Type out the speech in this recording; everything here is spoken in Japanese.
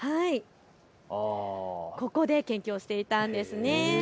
ここで研究をしていたんですね。